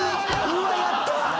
うわっやった！